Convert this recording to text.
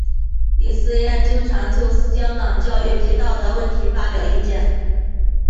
李偲嫣经常就香港教育及道德问题发表意见。